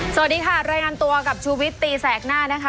สวัสดีค่ะรายงานตัวกับชูวิตตีแสกหน้านะคะ